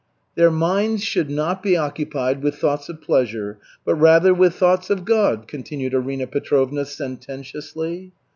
"Their minds should not be occupied with thoughts of pleasure, but rather with thoughts of God," continued Arina Petrovna sententiously.